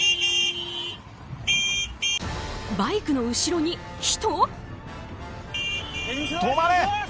バイクの後ろに人？